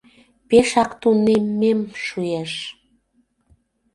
Пешак тунеммем шуэш...